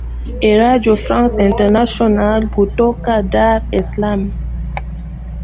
a redio france international kutoka dar es salaam